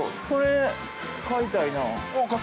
これ買いたい。